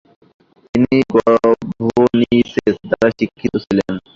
তিনি গভর্নিসেস দ্বারা শিক্ষিত ছিলেন।